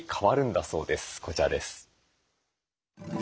こちらです。